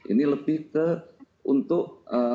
ini lebih ke untuk